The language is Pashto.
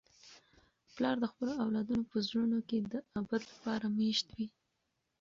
پلار د خپلو اولادونو په زړونو کي د ابد لپاره مېشت وي.